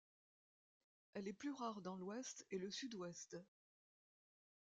Elle est plus rare dans l'Ouest et le Sud-Ouest.